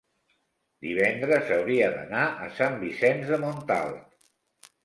divendres hauria d'anar a Sant Vicenç de Montalt.